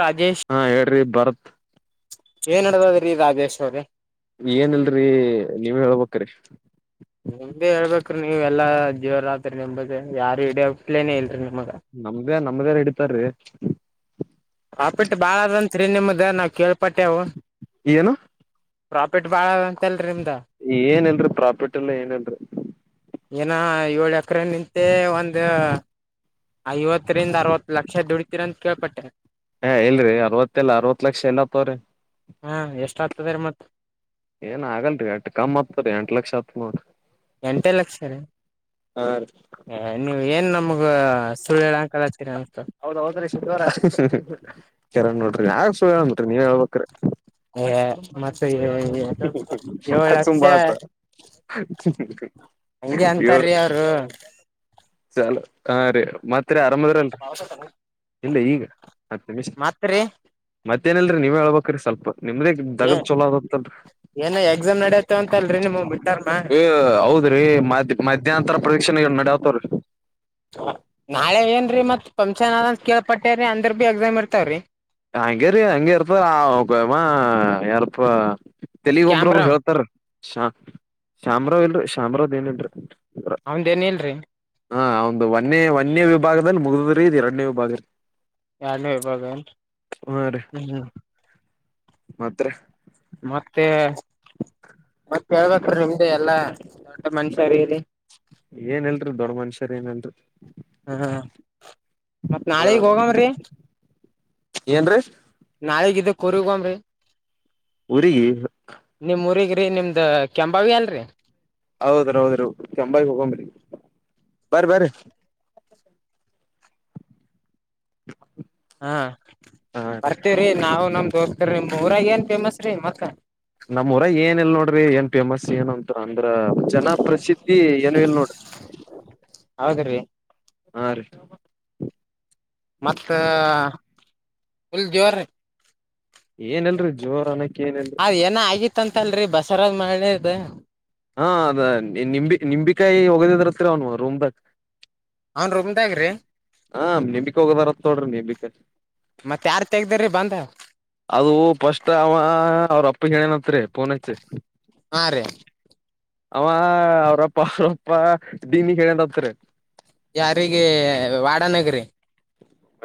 ರಾಜೇಶ್ ಹಾ ಹೇಳ್ರಿ ಬರತ್ ಏನ್ ನಡದದ್ರೀ ರಾಜೇಶ್ ಅವರೆ ಏನಲ್ರಿ ನೀವ್ ಹೇಳ್ಬೇಕ್ರಿ ನಿಮ್ದೇ ಹೇಳ್ಬೇಕೀ ನೀವ್ ಎಲ್ಲಾ ಜೀವರ ರಾತ್ರಿ ನಿಮಗ್ ಯಾರು ಇಡಿಯೋಗ್ಲೇನೆೇ ಇಲ್ರಿ ನೀ ನಮ್ದೇ ನಮ್ದಲ್ಲ ಇಡ್ತಾರೀ ಆಾಫಿಟ್ ಬಾಳ ಅದಂತ್ ರೀ ನಿಮ್ದ ನಾವವು ಕೇಳ್ಪಟ್ಟೆವು್ ಏನು ಪ್ರಾಫಿಟ್ ಬಾಳ ಅಂತಲ್ರಿ ನಿಮ್ದ ಏನನ್ರರಿ ಪ್ರಾಫಿಟ್ ಎಲ್ಲಾ ಏನೇಲ್ರರಿ ಏನ ಏಳು ಎಕರೆ ನಿಂತ ಒಂದು ಐವತ್ತರಿಂದ ಅರವತ್ತು ಲಕ್ಷ ದುಡತಿೀರ ಅಂತ ಕೇಳ್ಪಟ್ಟನೆ ಹಾ ಇಲ್ರಿ ಅರವತ್ತಲ್ಲಾ ಅರವತ್ ಲಕ್ಷ ಏನತ್ತವ್ರೀ ಹಾ ಎಷ್ಟ ಆಗ್ತದೆ ರೀ ಮತ್ತ ಏನ್ ಆಗಲ್ರಿ ಎಟ್ ಕಮ್ಮ್ ಹತ್ರಿ ಎಂಟ ಲಕ್ಷ ಆತ್ ನೋಡ್ರರಿ ಎಂಟೇ ಲಕ್ಷ ರೀ ಹಾ ನೀವ ಏನ್ ನಮಗ [inaudible] ಹೌದೌದ್ರೀ ಶನಿವಾರ ಕಿರಣ್ ನೋಡ್ರಿ ಆ ಟ್ರಿ ನೀವ ಹಳ್ಕ್ರೆ [inaudible] ಮತ್ತೆ ಏಳ್ ಲಕ್ಷ ಹಂಗೆ ಇ ಅಂತಾರೀ ಅವರು ಚಲ ಹಾ ರೀ ಮಾತ್ ಆರಾಮದ್ರಲ್ರಿ ಇಲ್ಲ ಈಗ ಮತ್ತೆ ಮ ಮತ್ರಿ ಮತ್ತೇನಲ್ರರಿ ನೀವೇ ಹೇಳ್ಬೇಕ್ರೀ ಸ್ವಲ್ಪ ನಿಮ್ದೇ ಏ ದಗದ್ ಚಲೋ ಅದ [unintelligible] ಏನ ಎಕ್ಸಾಮ್ ನಡತ್ತವ ಅಂತ ಅಲ್ರರಿ ನಿಮ್ ಮಿಡ್ ಟರ್ಮ್ ಹೌದ್ರಿ ಮಧ್ಯ ಮಧ್ಯ್ಯಾಂತರ ಪರೀಕ್ಷೆ ನಡಾವತ ರ ನಾಳೆ ಏನ್ರೀ ಮತ್ ಪಂಚಾನಾದ ಕೇಳ್ಪಟ್ಟೇ್ರರಿ ಅಂದ್ರ ಬಿ ಎಕ್ಸಾಮ್ ಇರ್ತಾವ್ರಿ ಹಂಗ ಅಂಗರ್ಪ್ಪ ಆ ಯಪ ತೆಲಿಗ್ ಕ್ಯಾಮ್ರಾ ಒಬ್ರೊಬರು ಹೇಳ್ತಾರ ಶ ಶಾಮರಾವ್ ಇಲ್ರಿ ಶಾಮ್ರಾವ ಏನ್ ಇಲ್ರಿ ಅವದೇಏನ್ ಇಲ್ರಿ ಹಾ ಒ್ ಒನ್ೆ ಒನ್ೇ ವಿಭಾಗದಲ್ಲಿ ಮುಗ್ದ್ರೀ ಇದ್ ಎರಡನೇ ವಿಭಾಗ ರೀ ಯಲ ಬಗನ್ ಹ ರ ಮಾತ್ರ ಮತ್ತೆ ಮತ್ತ ಹೇಳ್ಬೇಕ್ರಿ ನಿಮ್ದೇ ಎಲ್ಲಾ. [unintelligible] ಏನ್ ಇಲ್ರಿ ದೊಡ್ಡ ಮನುಷ್ಯರ ಏನ್ ಅಲ್ರಿ. ಹಾ ಮತ್ತ್ ಹಾ ನಾಳಿಗ್ ಹೋಗಮ್ರೀ. ಏನ್ರೀ ನಾಳಿಗ್ ಇದಕ್ಕ ಊರಿಗ್ ಹೋಗಮ್ರೀ. ಊರಿಗಿ. ರಿ ನಿಮ್ದ ಕೆಂಬಾವಿ ಅಲ್ರಿ. ಹೌದ್ರ ಹೌದ್ರಿ ಕೆಂಭಾವಿಗ್ ಹೋಗಮ್ರೀ ಬರ್ರಿ ಬರ್ರಿ. ಹ [unintelligible] ಹಾ ಬರ್ತೀವ್ರಿ ನಾವು ನಮ್ಮ್ ದೋಸ್ತೂರ್ ನಿಮ್ಮ ಊರಾಗ ಏನ್ ಫೇಮಸ್ ರೀ ಮತ್ತ. ನಮ್ ಊರಾಗ ಏನ್ ಇಲ್ ನೋಡ್ರಿ ಏನ್ ಫೇಮಸ್ ಏನಂತ ಅಂದ್ರ ಜನ ಪ್ರಸಿದ್ಧಿ ಏನು ಇಲ್ ನೋಡ್ರಿ. ಹೌದ್ರಿ. ಹಾ ರೀ. ಮತ್ತ ಫುಲ್ ಜೋರೀ. ಏನ್ ಇಲ್ರಿ ಜೋರ ಅನಕ್ ಏನಲ್ರರಿ ಅದ್ ಏನೋ ಆಗಿತ್ತಂತಲ್ರಿ ಬಸವರಾಜ್ ಮಾಳೇದ. ಹಾ ಅದ ನಿಂಬಿ ನಿಂಬಿಕಾಯಿ ವಗದಿದ್ರಂತ್ರಿ ಅವನ ರೂಮ್ದಾಗ್. ಅವನ್ ರೊಮದಾಗ್ರೀ. ಹ ನೀಂಬಿಕಾಯಿ ವಗದಾರತ್ ನೋಡ್ರಿ ನಿಂಬಿಕಾಯಿ. ಹ ಅವೂ ಫಸ್ಟ್ ಅವ ಅವ್ರ ಅಪ್ಪಗ್ ಹೇಳ್ಯಾನತ್ರಿ ಪೊನಚ್ಚಿ. ಹಾ ರೀ. ಅವ ಅವ್ರಪ್ಪ ಅವ್ರಪ್ಪ ಡಿನಿಗ್ಗ್ ಹೇಳ್ಯಾನ್ ಅಂತ್ರಿ. ಯಾರಿಗಿ ವಾರ್ಡ್ ನಗ್ರಿ. [unintelligible]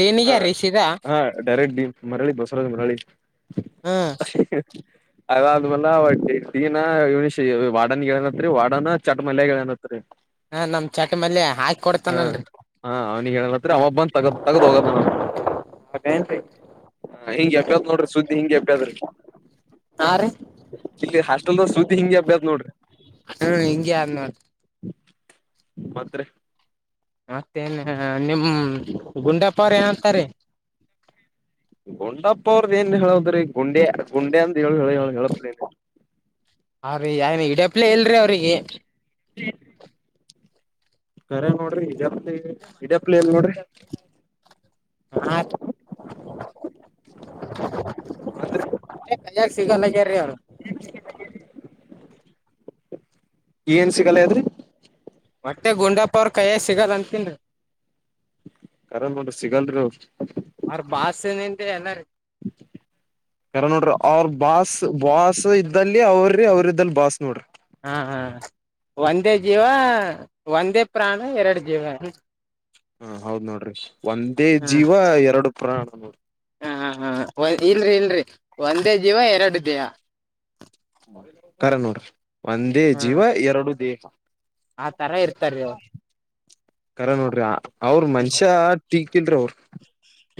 ಡೀನ್ಗ ಹ ರೀ ಸೀದಾ ಹಾ ಡೈರೆಕ್ಟ್ ನ್ ಮರಳಿ ಬಸವರಾಜ್ ಮರಳಿ ಹ್ಮ್ ಅದಾದ್ಮೇನ ವಡ್ಡ್ ಡಿ ಡೀನ್ ಇವ್ನಿಗ್ ಶೀ ವಾರ್ಡ್ನಗ್ ಹೇಳ್ಯನತ್ರಿ ವಾಡನ ಚಟ್ ಮಲ್ಯಗ ಹೇಳ್ಯಾನ್ ಅತ್ತ. ಹಾ ನಮ್ ಚಟ ಮಲ್ಯ ಹಾಕಿ ಹಾ ಕೊಡ್ತಾನಲ್ರಿ. ಹಾ ಅವ್ನಿಗ ಹೇಳ್ಯಾನತ್ರಿ ಹ ಅವ ಬಂದ್ ತಗ ತಗದ್ ವಾಗದ್ದಾನ ಅಂತ್. ಹೌದೇನ್ರಿ ಹ ಹಿಂಗ ಎಬ್ಬ್ಯದ ನೋಡ್ರಿ ಸುದ್ದಿ ಹಿಂಗ ಎಬ್ಬ್ಯದ್ರಿ. ಹಾ ರೀ ಹಾಸ್ಟಲ್ದೋರ್ ಸುದ್ದಿ ಹಿಂಗ ಎಬ್ಬ್ಯದ ನೋಡ್ರಿ. ಹ್ಮ ಹಿಂಗೆ ಆದ ನೋಡ್ರೀ. ಮತ್ರಿ. ಮತ್ತ ಏನ್ ನಿಮ ಗುಂಡಪರ ಏನಂತಾರಿ. ಗುಂಡಪ್ಪ ಅವ್ರದ್ದ ಏನ್ ಹೇಳದ್ರಿ ಗುಂಡ್ಯಾ ಗುಂಡ್ಯಾಂದ ಏನ್ ಹೇಳ ಹೇಳ ಹೇಳ ಹೇಳಪ್ ಏನ್ ಹಾರಿ ಯಾನ್ ಹಿಡಿಯಪ್ಪಲೇ ಇಲ್ರಿ ಅವ್ರಿಗಿ. ಹ್ಮ್ ಕರೆ ನೋಡ್ರಿ ಹಿಡ್ಯಾಪ್ಲಿ ಹಿಡ್ಯಪ್ಲಿಲ್ಲಿ ನೋಡ್ರಿ. ಹಾರಿ. ಮತ್ರಿ ಕೈಯಾಗ ಸಿಗಲ್ಲಾಗ್ಯರೀ ಅವ್ರು. ಏನ್ ಸಿಗಲ್ಲ ಆಗ್ಯದ್ರಿ. ಒಟ್ಟೆ ಗುಂಡಪ್ಪ ಅವ್ರ ಕೈಯಾಗ ಸಿಗಲ್ಲ ಅಂತಿನ್ರೀ. ಖರೆ ನೋಡ್ರಿ ಸಿಗಲ್ರಿ ಅವ್ರು. [unintelligible] ನಿಂತ ರಿ ಅಣ್ಣಾರಿ ಖರೆ ನೋಡ್ರಿ ಅವ್ರ ಬಾಸ್ ಬಾಸ್ ಇದ್ದಲ್ಲಿ ಅವ್ರ್ರಿ ಅವ್ರ ಇದ್ದಲ್ಲಿ ಬಾಸ್ ನೋಡ್ರಿ. ಹಾ ಹಾ ಒಂದೇ ಜೀವ ಒಂದೇ ಪ್ರಾಣ ಎರಡು ಜೀವ. ಹ ಹೌದ್ ನೋಡ್ರಿ ಒಂದೇ ಜೀವ ಎರಡು ಪ್ರಾಣ ನೋಡಿ. ಹಾ ಹ ಇಲ್ರಿ ಇಲ್ರಿ ಒಂದೇ ಜೀವ ಎರಡು ದೇಹಾ. ಖರೆ ನೋಡ್ರಿ ಒಂದೇ ಜೀವ ಎರಡು ದೇಹ. ಆತರ ಇರ್ತಾರಿ ಅವ್ರ. ಕರ ನೋಡ್ರಿ ಅವ್ರ ಮನ್ಷ್ಯ ಟೀಕಿಲ್ರಿ ಅವ್ರ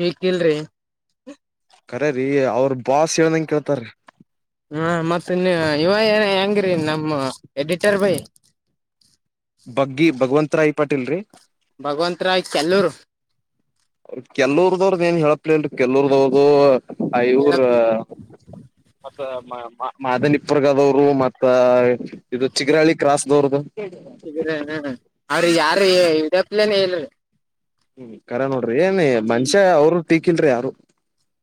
ಈಕಲ್ರಿ ಕಖರರಿೀ ಅವ್ರ ಬಾಸ್ ಹೇಳದಂಗ ಕೇಳ್ತಾರ ಹಾ ಮತ್ತ ನೀ ಇವ ಏನ ಹೆಂಗರಿ ನಮ್ಮ ಎಡಿಚರ್ ಭೈ ಬಗ್ಗಿ ಭಗವಂತ ರಾಯಿ ಪಾಟೀಲ್ ರರಿ ಭಗವಂತ ರಾಯ್ ಚಲ್ಲೂರು ಅವ ಕೆಲ್ವರ್ದವ್ರದ ಏನ್ ಹೇಳಪ್ಲಲ್ ಕೆಲರ್ದವ್ರ್ದ ಐವರ ಹೇಳಪ್ಪ ಮ ಮಾದನಿಪುರ್ಗದವರು ಮತ್ ಇದು ಚಿಕ್ಕರಹಳ್ಳಿ ಕ್ರಾಸ್ ದೋರ್ದುು ಹಗ್ರ ಅವ್ರ ಯಾರು ಇದಪ್ಲನ ಹೇಳಲ್ರಿ ಹ್ಮ್ ಕರ ನೋಡ್ರಿ ಏನ್ ಮನ್ಷ್ಯ ಅವರು ಟೀಕಿಲ್ರಿ ಯಾರು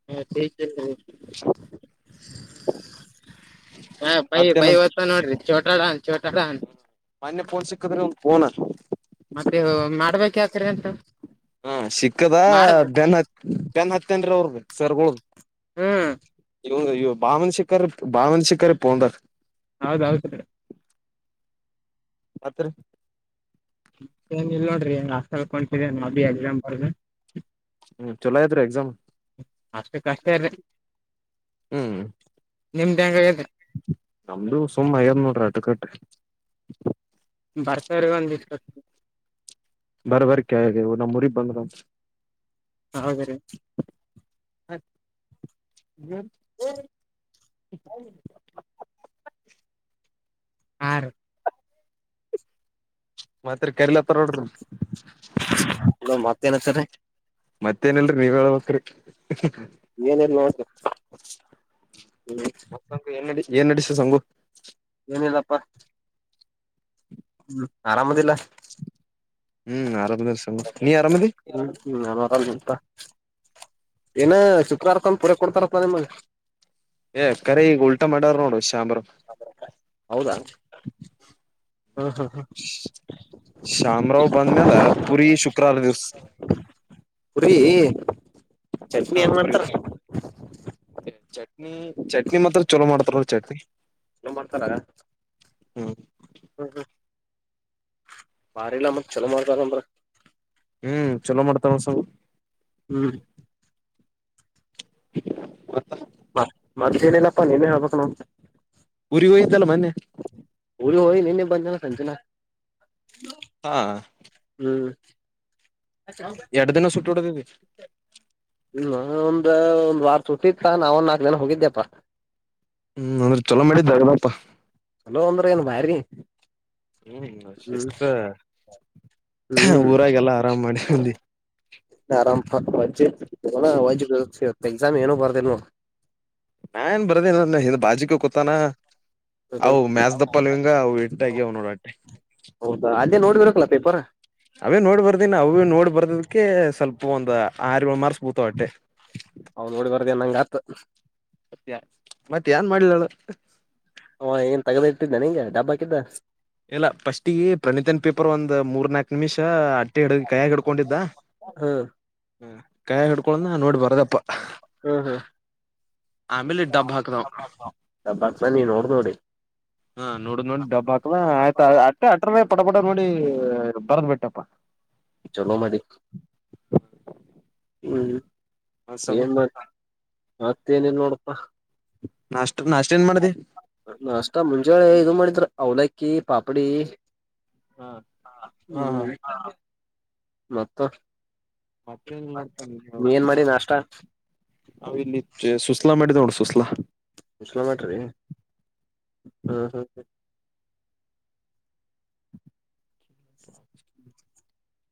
ಹಾ ಸ ಹಾ ಬೈ ಬೈ ಮತ್ತೇನಂತ ತ ನೋಡ್ರಿ ಚೋಟಾಡನ್ ಚೋಟಾಡ ಅನ್ ಮನ್ಯ ಪೋನ್ಸಿಕದು ಮತ್ತೆ ಮಾಡ್ಬೇಕ ಯಾಕ್ರ ಅಂತ ಹಾ ಸಿಕ್ಕದ ಮಾಡದ್ ಬೆನ್ ಹತ್ ಬೆನ್ ಹತ್ತನ್್ರಿ ಅವ್ರ ಸವರ್ಗಳ ಹ್ಮ್ ಇ ಭಾವನ ಶಿಕಾರಿ ಭಾವನ ಶಿಕಾರಿ ಪೋೊಂಡರ್ ಹೌದ ಹೌತ ಅತ್ರ ಮ ಏನ್ ಇಲ್ ನೋಡ್ರಿ ಹೆಂಗ್ ಆ ಕಲ್ಕೊತಿದೆ ನಾ ಬಿಿ ಎಕ್ಸಾಮ್ ಬರ್ದು ಹ್ಮ್ ಚೊಲೋ ಐತ್ರಿ ಎಕ್ಸಾಮ್ ಅಷ್ಟು ಕಷ್ಟ ಇರಿ ಹ್ಮ್ ನಿಮ್ದ ಹೆಂಗ ನಮ್ದು ಸುಮ್ಮ ದ ನೋಡ್ರ ಅಟಕಟೆ ಬರ್ತಾರ ಒಂದ ಇಟ್ಟ ಬರ ಬರ್ ಕಿದೆವು ನಮ್ಮ್ ರಿಗ್ ಬಂದ್ರ ಹೌದ ರೀ ಹ ಹ್ಮ [unintelligible] ಆ ಮತ್ತರಿ ಕರಿಲತ್ತಾರ ನೋಡ್ರಿ ತನ ಸರ ಮತ್ತೇನಲ್ರಿ ನೀವ್ ಹೇಳ್ಬೇಕಕ್್ರಿ ನ ನ ಮ ಸಂಗು ಏನ್ ನಡಿ ಏನ್ ನಡಸು ಸಂಘು ಲ್ಲಪ್ಪ ಹ್ಮ್ ಆರಾಮದಿಲ್ಲ ಹ್ಮ್ ಆರ ನಮ್ಮ ಹೌಲ್ ಉಂತ ಏನ ಶುಕ್ರವಾರಕ್ಕಂದು ಪೂರ ಕೊಡ್ತಾರಪ್ಪ ನಿಮ್ಮಗೆ ಏ ಕರ ಈಗ ಉಲ್ಟಾ ಮಾಡವ್ ನೋಡು ಶ್ಯಾಮರಾವ್ ಹೌದಾ ಹ್ಮ ಹಾ ಹಾ ಶ್ಯಾಮರಾವ್ ಬಂದ್ಮ್ಯಾಲ ಪುರಿ ಶುಕ್ರವಾರ ದಿವ್ಸ ಪುರಿೀ ಚಟ್ನಿ ಏನ್ ಮಾಡ್ತಾರ ಹ ಚ ಚಟ್ನ ಚಟ್ನಿ ಮಾತ್ರ ಚಲೋ ಮಾಡ್ತಾರಲ್ ಚಟ್ನಿ ಚಲೋ ಹ್ಮ್ ಹ್ಮ ಹ್ಮ ಬಾರಿಲ್ಲ ಮತ್ ಚಲೋ ಮಾಡ್ತಾರಂದ್ರ ಹ್ಮ್ ಚಲೋ ಮಾಡ್ತಾವಸ ಹ್ಮ್ ಮತ್ತ. ಮತ್ ಮತ್ತೇನಿಲ್ಲಪ್ಪಾ ನೀನೆೆ ಹೇಳ್ಬೇಕ್ ನೋಡ್. ಊರಿಗ್ ಹೋಗಿದ್ದಲ್ಲ ಮೊನ್ನೆ. ಊರಿಗ್ ಹೋಗಿ ನೆನ್ನೆ ಬಂದ್ನೋ ಸಂಜೆನ. ಹಾ. ಹ್ಮ್. ಎರಡ್ ದಿನ ಸುಟ್ಟಿ ಹೊಡ್ಡಿದಿ. ನಾನೊಂದ್ ಒಂದ್ ವಾರ್ ಸುಟ್ಟಿ ಇತ್ತ ನಾವ ಒನ್ ನಾಕ್ ದಿನ ಹೋಗಿದ್ದೆಪ್ಪಾ. ಹ್ಮ್ ಅಂದ್ರೆ ಚೊಲೋ ಮಾಡಿ ದಾಗದಪ್ಪಾ. ಚಲೋ ಅಂದ್ರ ಏನ್ ಭಾರಿ. ಹ್ಮ್ ನಿನ್ ಹ್ಮ್ ಶಿಸ್ತಾ. ಹಾ ಊರಾಗೆಲ್ಲ ಆರಾಮ್ ಮಾಡಿ ಬಂದಿ. ಹಾ ಅರಾಮ್ ಪ ವಜ್ಜಿ ಇತ್ತ್ [unintelligible] ಇವತ್ ಎಕ್ಸಾಮ್ ಏನು ಬರ್ದಿಲ್ ನೋಡ್. ತಾನ ನೋಡ್ ಅವು ಮ್ಯಾಚ್ ದಿ ಫಾಲೋಯಿಂಗ್ ಅವು ಎಟಗ್ಯವ್ ನೋಡ್ ಅಟ್ಟೆ. ಹೇ ನೋಡ್ ಬರ್ಬೇಕಲ್ಲ ಪೇಪರ. ಅವೇ ನೋಡ್ ಬರ್ದಿನ, ಅವುವುನ್ ನೋಡ್ ಬರ್ದದಕ್ಕೆ ಸ್ವಲ್ಪ ಒಂದ್ ಆರ್ ಯೋಳ್ ಮಾರ್ಕ್ಸ್ ಬೀಳ್ತವ್ ಅಟ್ಟೆ. ಅವ್ ನೋಡಿ ಬರ್ದ ನಂಗ ಆತ್ ಮತ್ ಏನ್ ಮಾಡ್ಲಿ ಹೇಳ್. ಹಾ ಆವಾ ಏನ್ ದಾಗ್ದ ಇಟ್ಟಿದ್ನ ನಿಂಗೆ ಡಬ್ಬ ಹಾಕಿದ್ದ. ಇಲ್ಲ ಫಸ್ಟಿಗೆ ಪ್ರಣೀತನ್ ಪೇಪರ್ ಒಂದ್ ಮೂರ್ ನಾಕ್ ನಿಮಿಷ ಅಟ್ಟೆ ಹಿಡ್ ಕೈಯಾಗ್ ಹಿಡ್ಕೊಂಡಿದ್ದ. ಹ ಹ. ಹ್ಮ ಕೈಯಾಗ್ ಹಿಡ್ಕೋಳ್ದ್ನ ನೋಡ್ ಬರ್ದಪ್ಪ. ಆಮೇಲೆ ಡಬ್ ಹಾಕದವ [unintelligible] ಹಾ ನೋಡ್ ನೋಡಿ ಡಬ್ ಹಾಕ್ ಆಯ್ತಾ ಅಟ್ಟೆ ಅಟ್ರೇ ಪಟ ಪಟ ನೋಡಿ ಬರ್ದ್ ಬಿಟ್ಟ್. ಹಟ್ಯಾಪ್ಪ. ಚಲೋ ಮಾಡಿಯ್. [unintelligible] ಮತ್ ಏನಿಲ್ ನೋಡಪ್ಪ. [inaudible] ಮಾಡ್ದಿ ಹಾ ನಾಷ್ಟಾ ಮುಂಜಾಳೆ ಇದು ಮಾಡಿದ್ರ ಅವಲಕ್ಕಿ ಪಾಪ್ಡಿ. ಹಾ ಹ್ಮ್ ಹಾ [unintelligible] ಮತ್ತ. ಮತ್ತೆ ಇಲ್ ನೋಡ್ತ ಪಾ ನಿನ್ ನೀ ಏನ್ ಹೇಳ್ಬೇಕ್ ಮಾಡಿ ನಾಷ್ಟ ಅವ ಇಲ್ಲಿ ಜ ಸುಸ್ಲಾ ಮಾಡ ನೋಡ್. ಸುಸ್ಲಾ ಮಾಡಿರಿ ಹ್ಮ ಹ.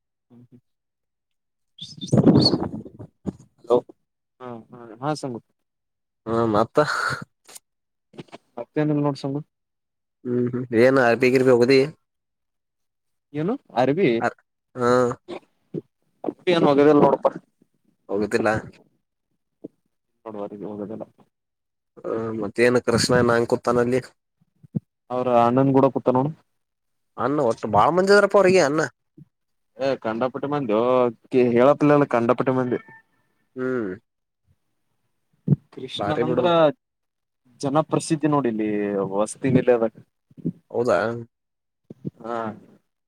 [unintelligible] ಹಲೋ. ಹಾ ಹಾ ಹಾ ಸಂಗು. ಹ್ಮ ಮತ್ತ. ಮತ್ತೇನ್ ಇಲ್ಲ ನೋಡ್ ಸಂಗು. ಹ್ಮ್ ಏನ್ ಅ ಡಿಗ್ರಿ ಮ್ಯಾಗ್ ಓದಿಯಿ. ಏನು. ಆ ಹಾ. [unintelligible] ನೋಡಪ್ಪ. ಹೋಗುದಿಲ್ಲ. ನೋಡುವರಿಗೆ. [inaudible] ಹ ಮತ್ತೇನು ಕೃಷ್ಣ ಏನ್ ಹಂಗ್ ಕೂತನಲ್ಲಿ. ಅವ್ರ ಅಣ್ಣನ್ ಗುಡ ಕುತ್ತಾನ್ ನೋಡ್. ಅನ್ನ ಒಟ್ಟು ಬಾಳ ಮಂದಿ ಅದಾರಪ್ಪ ಅವ್ರಿಗೆ ಅನ್ನ ಏ ಕಂಡಪಟ್ಟ ಮಂದ್ಯೋ ಹೇಳಪ್ಲಲ್ಲ ಕಂಡಪಟ್ಟ ಮಂದಿ. ಹ್ಮ್. ಕೃಷ್ಣ ಬಾರಿ ಬಿಡು ಅಂದ್ರ ಜನಪ್ರಸಿದ್ಧಿ ನೋಡ್. ಇಲ್ಲಿ ವಸ್ತಿನ್ ಇಲ್ಲೇ ಅದ. ಹೌದಾ. ಹಾ.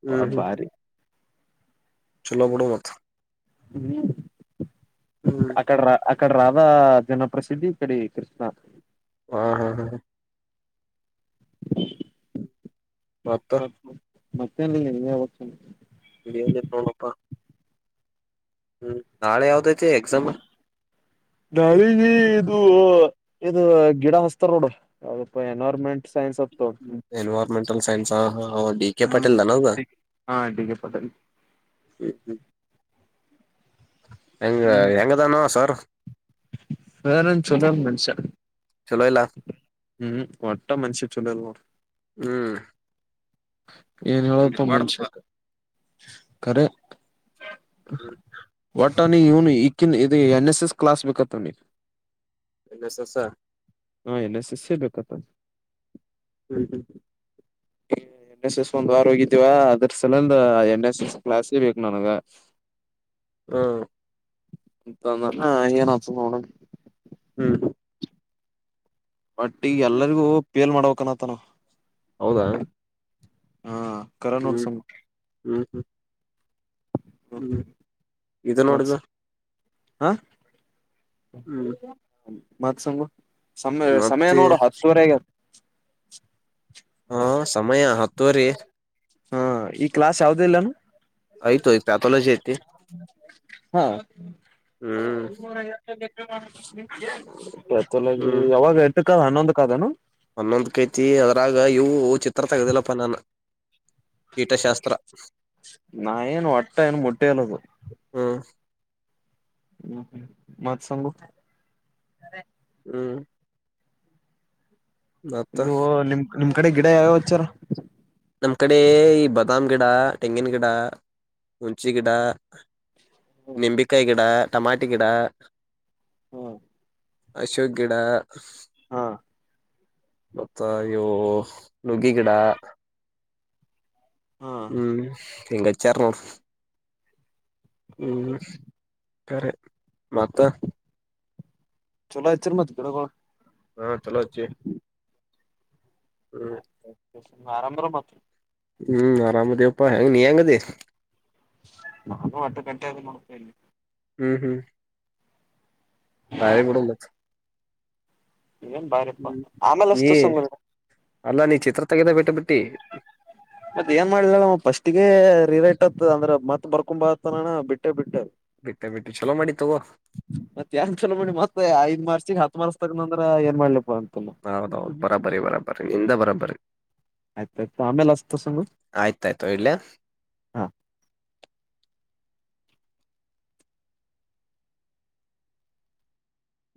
ಹ್ಮ್ ಹ್ಮ್ ಹ್ಮ್ ಬಾರಿ ಚೊಲೊ ಬುಡು ಮತ್ ಹ್ಮ ಆಟ ಆಡ್ರಾ ಇಕಡ ರಾಧಾ ಜನಪ್ರಸಿದ್ಧಿ ಇ ಕಡಿ ಕೃಷ್ಣ ಹಾ ಹಾ ಹಾ ಹ ಹ್ಮ ಹ ಮತ್ತನಿಲ್ಲ ನೀನೆ ಹೇಳಬೇಕ ಎನ್ನಿಲ್ಲ ನೋಡಪ್ಪಾ ಹ್ಮ್ ನಾಳೆ ಯಾವ್ದ ನಾಳಿಗಿ ಇದು ಇದು ಗಿಡ ಹಸ್ತರ ನೋಡು ಇದು ಅಪ್ಪ ಎನ್ವೈರ್ಮೆಂಟ್ ಸೈನ್ಸ್ ಅಂತ ಎನ್ವೈರ್ಮೆಂಟಲ್ ಸೈನ್ಸ್ ಹಾ ಹಾ ಅವ ಡಿ ಕೆ ಹ ಪಾಟೀಲ್ ದನದ ಹ ಡಿಗ್ರಿ ಪ ಹ ಹ್ಮ್ ಹ್ಮ್ ಹೆಂಗ ಹೆಂಗ ಅದನೊ ಸರ ಸರ ಏನ ಚೊಲೋ ಅನ ಮನಷ್ಯ ಚಲೋ ಇಲ್ಲ ಹ್ಮ್ ಒಟ್ಟ ಮನುಷ ಚೂಲೋ ಇಲ್ಲ ನೋಡ ಹ್ಮ್ ಏನ ಹಂಗ ಹೇಳಪ ಮನುಷ್ಯ ಇರಬಾರ್ದಪ್ಪ ಕರೆ ಹ್ಮ್ ವಟ್ಟ ಅವನಿಗ ಇವನ್ ನ ಇದ ಎನ್ ಎಸ್ ಎಸ್ ಕ್ಲಾಸ್ ಬೇಕತ್ತ ಅವನಿಗ ಎ ನ್ ಎಸ ಎಸ ಹಾ ಎನ್ ಎಸ್ ಎಸ್ ಬೇಕ ಅತ್ತ್ ಹ್ಮ್ ಹ್ಮ ಎನ್ ಎಸ್ ಎಸ್ ಒಂದ್ ವಾರ ಹೋಗಿದೀವ ಅದ್ರ ಸಲಂದ ಎನ್ ಎಸ್ ಎಸ್ ಕ್ಲಾಸೆ ಬೇಕ ನನ್ಗ ಹ್ಮ್ ಅಂತ ಅಂದನಾ ಏನ ಆತದ ನೋಡನು ಹ್ಮ್ ಬಟ್ ಈಗ ಎಲ್ಲರಿಗೂ ಪೇಲ ಮಾಡಬೇಕ ಅನ್ನತಾನವ ಹೌದಾ ಕರ ನೋಡ್ ಹ್ಮ್ ಸಂಗು ಹ್ಮ್ ಹ್ಮ್ ಹ್ಮ್ ಇದ ನೋಡ ಮತ್ ಇದು ಹಾ ಹ್ಮ್ ಮತ್ ಸಂಗು ಸಮ ಸಮಯ ಮತ್ತೆ ನೋಡು ಹತ್ತುವರಿ ಆಗ್ಯಾದಾ ಹಾ ಸಮಯ ಹತ್ತುವರಿ ಹಾ ಈಗ ಕ್ಲಾಸ್ ಯಾವ್ದು ಇಲ್ಲೇನು ಆಯ್ತು ಪ್ಯಾಥಾಲಜಿ ಐತಿ ಹಾ ಹ್ಮ್ ಎತ್ತಲಾಗಿ ಯಾವಾಗ ಏಷ್ಟುಕ್ಕ ಅದ ಹನ್ನೊಂದ ಕಾದನು ಹನ್ನೊಂದ ಕೈತಿ ಅದ್ರಾಗ ಇವು ಚಿತ್ರ ತೆಗ್ದಿಲ್ಲಪ್ಪ ನಾನ ನಾ ಏನ ಒಟ್ಟ ಏನ ಮುಟ್ಟೆಲ್ಲದು ಹ್ಮ್ ಹ್ಮ್ ಹ್ಮ್ ಮತ್ ಸಂಗು ಹ್ಮ್ ಮತ್ತ ಇದು ಓ ನಿಮ್ ನಿಮ್ ಕಡಿ ಗಿಡ ಯಾವ್ಯವಚ್ಚಾರ ನಮ್ಮ್ ಕಡೆ ಈ ಬಾದಾಮ್ ಗಿಡ ತೆಂಗಿನ ಗಿಡ ಹುಂಚಿ ಗಿಡ ನಿಂಬಿಕಾಯಿ ಗಿಡ ಟಮಾಟಿ ಗಿಡ ಹ್ಮ್ ಅಶೋಕ್ ಗಿಡ ಹಾ ಮತ್ತ ಇವು ನುಗ್ಗಿ ಗಿಡ ಹಾ ಹ್ಮ್ ಹಿಂಗಚ್ಯಾರ ನೋಡ ಹ್ಮ್ ಕರೆ ಮತ್ತ ಚಲೋ ಅಚಿರ ಮತ್ತ ಕೆಡಗಳ. ಹಾ ಚಲೋ ಹಚ್ಚಿ ಹ್ಮ್. ಬೇಸಾಗಿ ಆರಾಮ ಇದೀರಿ ಅಲ್ಲ ಮತ್ತ. ಹ್ಮ್ ಆರಾಮದಿವಪ್ಪಾ ಹೆಂಗ ನೀ ಹೆಂಗದಿ. ನಾನು ಅಟ್ಟಕ್ಕ ಅಟ್ಟೆ ಇದೀವಿ ನೋಡಪಾ ಇಲ್ಲಿ. ಹ್ಮ್ ಹ್ಮ್. ಬಾರಿ ಬಿಡ್ಡು ಮತ್ತೆ. ಏನು ಬಾರೆಪ ಆಮೇಲೆ ನೀ ಅಚ್ಚತೇನೆ ಸುಮ್ ಇರು. ಅಲ್ಲಾ ನೀ ಚಿತ್ರ ತೆಗೆದ ಬಿಟ್ಟ ಬಿಟ್ಟಿ ಮತ್ತ ಏನ ಮಾಡ್ಲ ಹೇಳು ಫಸ್ಟಗೆ ರಿರೇಟ್ ಅಂತ ಅಂದ್ರ ಮತ್ ಬರ್ಕೊಂಬ ಅಂತಾನ ಅಣ್ಣ ಬಿಟ್ಟೆ ಬಿಟ್ಟೆವ. ಬಿಟ್ಟ ಬಿಟ್ಟಿ ಚಲೋ ಮಾಡಿ ತಗೋ ಮತ್ತೆ ಎಂಗಾ ಚಲೋ ಮಾಡದಿ ಮತ್ತೆ ಐದ ಮಾರ್ಕ್ಸ್ ಗೆ ಹತ್ತು ಮಾರ್ಕ್ಸ್ ತ. ನಾ ಅರಾ ಏನ್ ಮಾಡ್ಲಿಪ್ಪ ಅಂತ. ಹೌದೌದು ಬರಾಬರಿ ಬರಾಬರಿ ನಿಂದ ಬರಾಬರಿ. ಆಯ್ತ ತಗೋಪ್ಪ ಆಮೇಲೆ ಅಚ್ಚತಿನಿ ಸಂಗು. ಹ ಹಾ